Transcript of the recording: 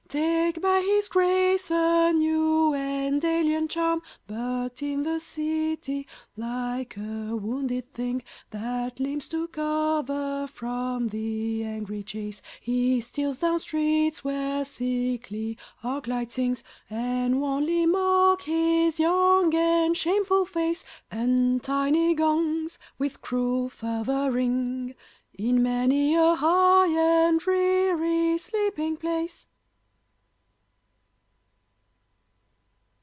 Take by his grace a new and alien charm. But in the city, like a wounded thing That limps to cover from the angry chase, He steals down streets where sickly arc lights sing, And wanly mock his young and shameful face; And tiny gongs with cruel fervor ring In many a high and dreary sleeping place.